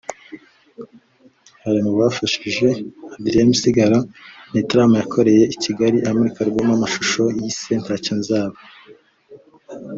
Ari mu bafashije Adrien Misigaro mu gitaramo yakoreye i Kigali amurika album y’amashusho yise ‘Ntacyo nzaba’